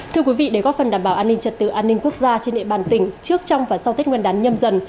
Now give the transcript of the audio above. thưa quý vị để góp phần đảm bảo an ninh trật tự an ninh quốc gia trên địa bàn tỉnh trước trong và sau tết nguyên đán nhâm dần